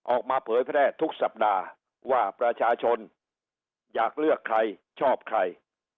เผยแพร่ทุกสัปดาห์ว่าประชาชนอยากเลือกใครชอบใคร